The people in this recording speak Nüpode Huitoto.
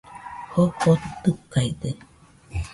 Jofo tɨkaɨde